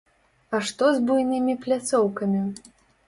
А што з буйнымі пляцоўкамі?